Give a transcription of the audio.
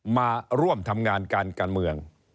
มาร่วมทำงานการการเมือง